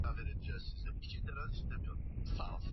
Kiswahili kitukuzwe